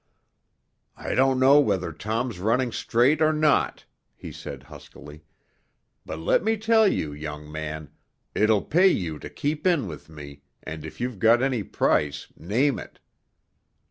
"I don't know whether Tom's running straight or not," he said huskily; "but let me tell you, young man, it'll pay you to keep in with me, and if you've got any price, name it!"